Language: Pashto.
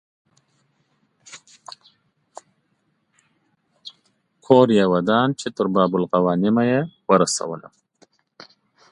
کور یې ودان چې تر باب الغوانمه یې ورسولم.